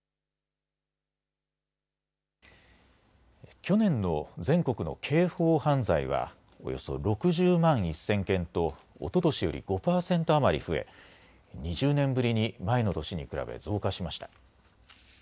去年の全国の刑法犯罪はおよそ６０万１０００件とおととしより５％余り増え２０年ぶりに前の年に比べ増加しました。